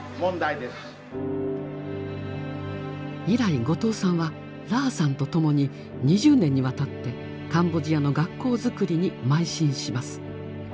以来後藤さんはラーさんとともに２０年にわたってカンボジアの学校づくりに邁進します。